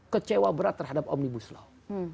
kecewa berat terhadap omnibus law